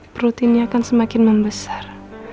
perut ini akan semakin membesar